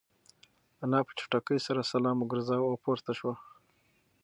انا په چټکۍ سره سلام وگرځاوه او پورته شوه.